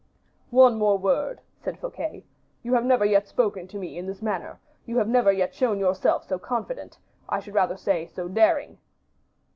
"One word more," said Fouquet; "you have never yet spoken to me in this manner, you have never yet shown yourself so confident, I should rather say so daring."